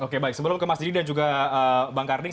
oke baik sebelum ke mas didi dan juga bang karding